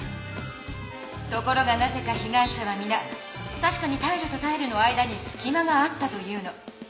ところがなぜかひがい者はみな「たしかにタイルとタイルの間にすきまがあった」と言うの。